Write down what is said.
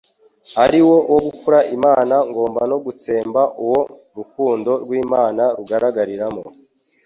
ari wo wo gukura Imana ku ngoma no gutsemba uwo urukundo rw'Imana rugaragariramo.